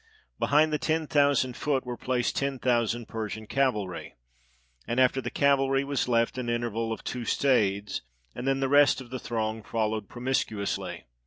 Behind the ten thousand foot were placed ten thousand Persian cavalry; and after the cav alry was left an interval of two stades ; and then the rest of the throng followed promiscuously.